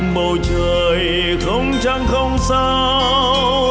bầu trời không trăng không sao